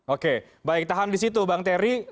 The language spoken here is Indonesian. oke baik tahan di situ bang terry